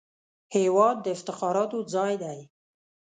هېواد د افتخاراتو ځای دی